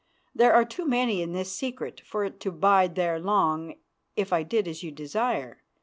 There are too many in this secret for it to bide there long if I did as you desire.